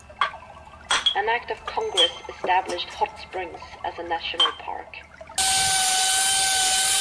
An act of Congress established Hot Springs as a national park.